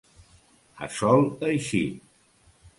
A sol eixit.